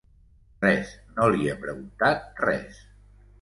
Res, no li he preguntat res.